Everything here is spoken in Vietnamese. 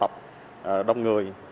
đông người đông người đông người